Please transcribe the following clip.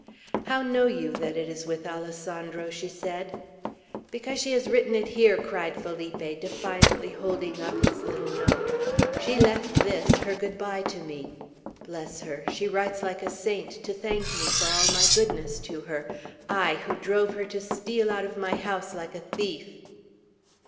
"How know you that it is with Alessandro?" she said. "Because she has written it here!" cried Felipe, defiantly holding up his little note. "She left this, her good by to me. Bless her! She writes like a saint, to thank me for all my goodness to her, I, who drove her to steal out of my house like a thief!"